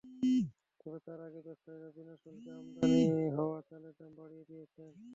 তবে তার আগেই ব্যবসায়ীরা বিনা শুল্কে আমদানি হওয়া চালের দাম বাড়িয়ে দিয়েছেন।